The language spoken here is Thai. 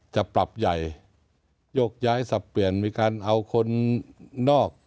จะปรับใหญ่โยกย้ายสับเปลี่ยนมีการเอาคนนอก